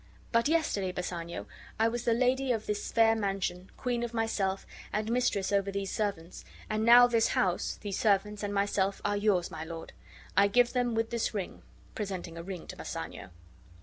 But yesterday, Bassanio, I was the lady of this fair mansion, queen of myself, and mistress over these servants; and now this house, these servants, and myself are yours, my lord; I give them with this ring," presenting a ring to Bassanio.